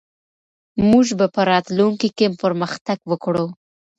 موږ به په راتلونکي کې پرمختګ وکړو.